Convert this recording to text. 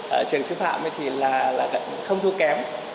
ở trường sư phạm thì là không thua kém